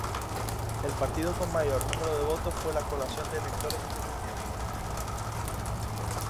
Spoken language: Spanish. El partido con mayor número de votos fue la colación de electores independientes.